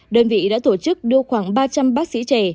đơn vị đã tổ chức đưa khoảng ba trăm linh bác sĩ trẻ